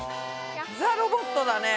ザ・ロボットだね。